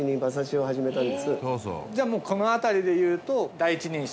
じゃあもうこの辺りでいうと第一人者。